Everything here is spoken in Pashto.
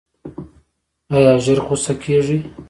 ایا ژر غوسه کیږئ؟